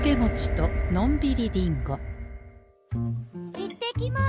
行ってきます！